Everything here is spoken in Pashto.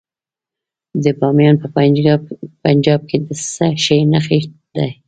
د بامیان په پنجاب کې د څه شي نښې دي؟